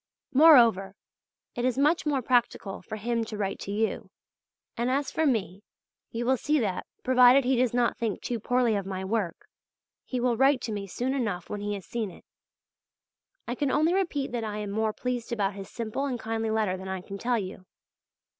Moreover, it is much more practical for him to write to you; and as for me, you will see that, provided he does not think too poorly of my work, he will write to me soon enough when he has seen it. I can only repeat that I am more pleased about his simple and kindly letter than I can tell you.